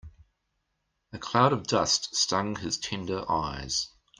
A cloud of dust stung his tender eyes.